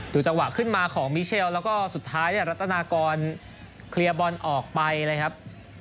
จังหวะขึ้นมาของมิเชลแล้วก็สุดท้ายเนี่ยรัตนากรเคลียร์บอลออกไปเลยครับ